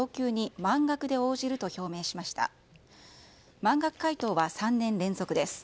満額回答は３年連続です。